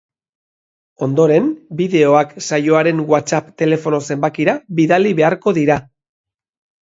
Ondoren, bideoak saioaren whatsapp telefono zenbakira bidali beharko dira.